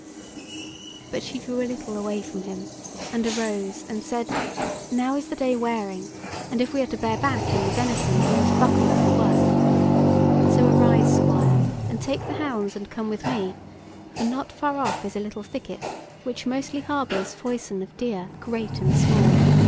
But she drew a little away from him, and arose and said: "Now is the day wearing, and if we are to bear back any venison we must buckle to the work. So arise, Squire, and take the hounds and come with me; for not far off is a little thicket which mostly harbours foison of deer, great and small.